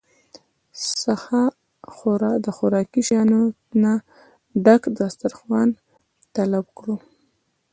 څخه د خوراکي شيانو نه ډک دستارخوان طلب کړو